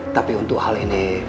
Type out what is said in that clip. tapi untuk hal ini